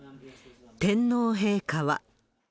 天皇陛下は。